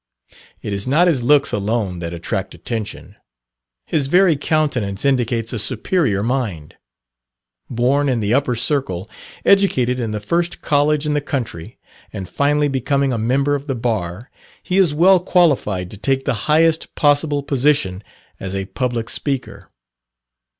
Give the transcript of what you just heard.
It is not his looks alone that attract attention his very countenance indicates a superior mind. Born in the upper circle, educated in the first College in the country, and finally becoming a member of the Bar, he is well qualified to take the highest possible position as a public speaker.